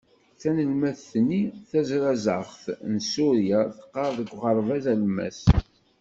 Tanelmadt-nni tazrazaɣt n Surya, teqqar deg uɣerbaz alemmas.